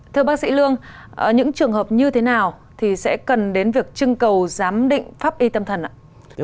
thưa bác sĩ lương những trường hợp như thế nào thì sẽ cần đến việc trưng cầu giám định pháp y tâm thần ạ